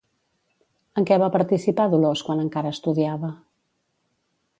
En què va participar Dolors quan encara estudiava?